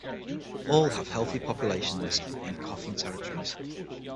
All have healthy populations in Cofan territories.